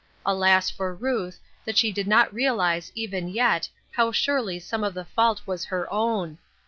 Alas for Ruth, that she did not realize, even yet, how surely some of the fault was her own